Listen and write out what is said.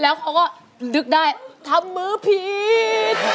แล้วเขาก็นึกได้ทำมือผิด